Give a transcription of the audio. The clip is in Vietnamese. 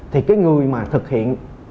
thì cái người mà thực hiện